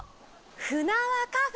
ふなわかふぇ。